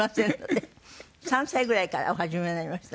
３歳ぐらいからお始めになりました？